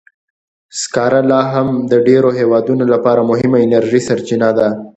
سکاره لا هم د ډېرو هېوادونو لپاره مهمه انرژي سرچینه ده.